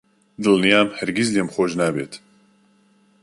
دڵنیام هەرگیز لێم خۆش نابێت.